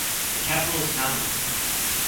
The capital is Mamou.